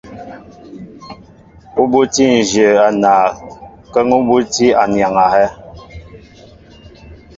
Ú bútí nzhě a naay kə́ŋ ú bútí anyaŋ a hɛ́.